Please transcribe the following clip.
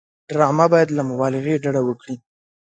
ډرامه باید له مبالغې ډډه وکړي